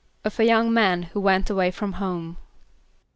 =Of a young man who went away from home.